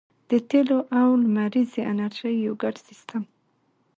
د تیلو او لمریزې انرژۍ یو ګډ سیستم